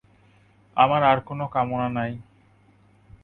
আমার আর-কোনো কামনা নাই।